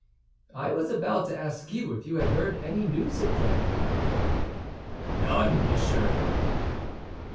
"I was about to ask you if you had heard any news of them?" "None, monsieur."